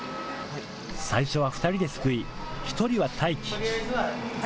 最初は２人ですくい、１人は待機。